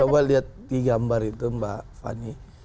coba lihat di gambar itu mbak fani